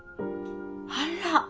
あら。